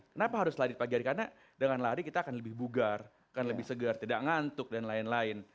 kenapa harus lari pagi hari karena dengan lari kita akan lebih bugar akan lebih segar tidak ngantuk dan lain lain